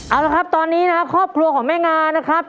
เอาแล้วครับตอนนี้ครอบครัวของแม่งานครับ